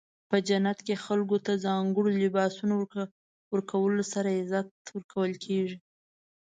په جنت کې خلکو ته د ځانګړو لباسونو ورکولو سره عزت ورکول کیږي.